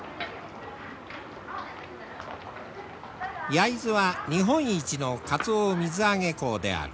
焼津は日本一のカツオ水揚げ港である。